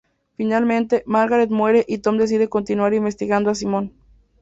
Finalmente, Margaret muere y Tom decide continuar investigando a Simon.